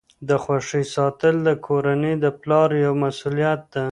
د خوښۍ ساتل د کورنۍ د پلار یوه مسؤلیت ده.